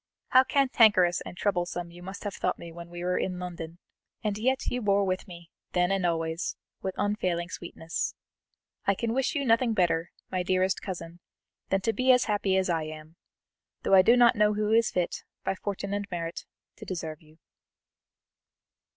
How cantankerous and troublesome you must have thought me when we were in London! and yet you bore with me, then and always, with unfailing sweetness. I can wish you nothing better, my dearest cousin, than to be as happy as I am, though I do not know who is fit, by fortune and merit, to deserve you."